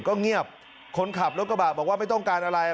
ก็เงียบคนขับรถกระบะบอกว่าไม่ต้องการอะไร